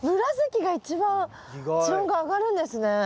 紫が一番地温が上がるんですね。